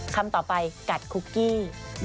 คำต่อไปกัดคุกกี้